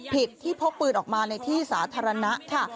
ผิดที่พกปืนออกมาในที่สาธารณะค่ะ